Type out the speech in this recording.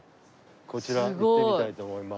こちら行ってみたいと思います。